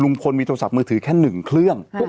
ลุงพลมีโทรศัพท์มือถือแค่๑เครื่อง